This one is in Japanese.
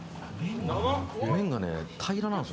麺がね、平なんです。